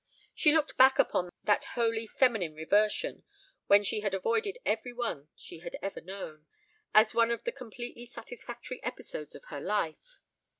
She looked back upon that wholly feminine reversion, when she had avoided every one she had ever known, as one of the completely satisfactory episodes of her life.